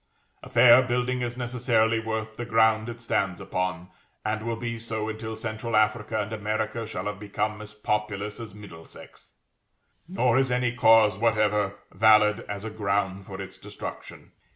A fair building is necessarily worth the ground it stands upon, and will be so until central Africa and America shall have become as populous as Middlesex; nor is any cause whatever valid as a ground for its destruction.